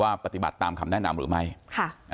ปฏิบัติตามคำแนะนำหรือไม่ค่ะ